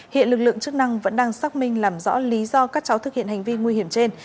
hiện lực lượng chức năng vẫn đang xác minh làm rõ lý do các cháu thực hiện hành vi nguy hiểm trên